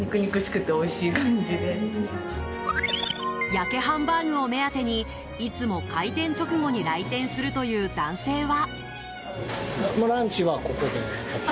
ヤケハンバーグを目当てにいつも開店直後に来店するという男性は。